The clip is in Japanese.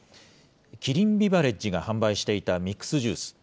キリンビバレッジが販売していたミックスジュース。